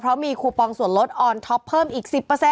เพราะมีคูปองส่วนลดออนท็อปเพิ่มอีก๑๐